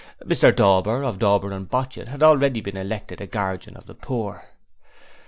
Mr Dauber, of Dauber and Botchit, had already been elected a Guardian of the Poor.